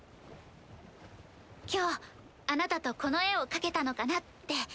今日あなたとこの絵を描けたのかなって。